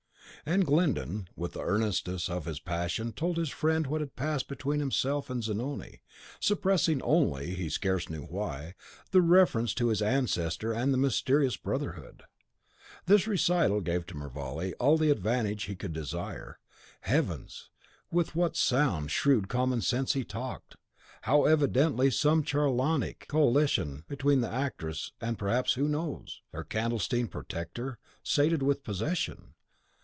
And Glyndon, in the earnestness of his passion, told his friend what had passed between himself and Zanoni, suppressing only, he scarce knew why, the reference to his ancestor and the mysterious brotherhood. This recital gave to Mervale all the advantage he could desire. Heavens! with what sound, shrewd common sense he talked. How evidently some charlatanic coalition between the actress, and perhaps, who knows? her clandestine protector, sated with possession!